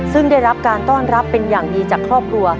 ซึ่งได้รับการต้อนรับเป็นอย่างดีจากครอบครัว